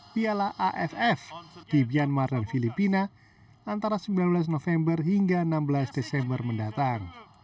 piala aff di myanmar dan filipina antara sembilan belas november hingga enam belas desember mendatang